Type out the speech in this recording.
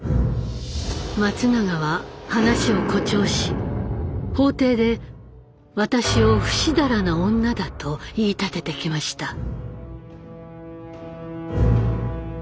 松永は話を誇張し法廷で私をふしだらな女だと言い立ててきました。